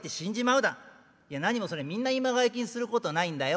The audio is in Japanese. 「いやなにもみんな今川焼きにすることないんだよ。